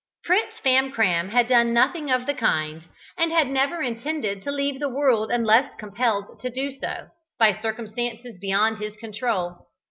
Prince Famcram had done nothing of the kind, and had never intended to leave the world unless compelled to do so, by circumstances beyond his control.